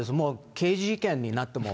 刑事事件になっても。